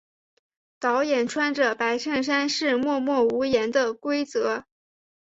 导演穿着白衬衫是默默无言的规则。